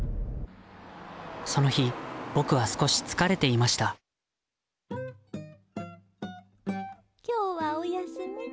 その日僕は少し疲れていました今日はお休み？